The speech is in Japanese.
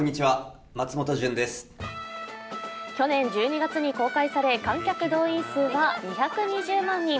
去年１２月に公開され観客動員数が２２０万人。